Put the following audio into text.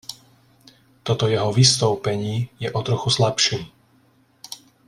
Toto jeho vystoupení je o trochu slabší.